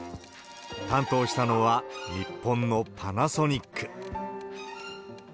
担当したのは、日本のパナソニック。